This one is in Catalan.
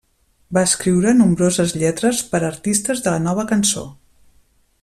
Va escriure nombroses lletres per a artistes de la Nova Cançó.